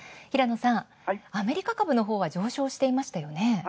平野さん、アメリカ株のほうは上昇でしたね。